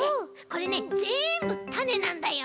これねぜんぶたねなんだよ。